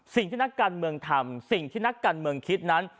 สิ่งที่นักการเมืองทำสิ่งที่นักการเมืองคิดนั้น